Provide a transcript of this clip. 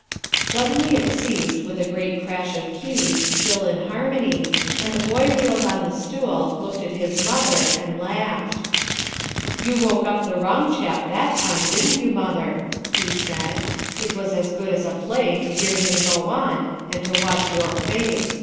Suddenly it ceasetl with a great crash of keys, still in harmony, and the boy wheeled on his stool, looked at his mother, and laughed. "You woke up the wrong chap that time, "NEVER MIND, MOMMIE" 23 didn't you, mother?" he said. "It was as good as a play to hear him go on and to watch your face.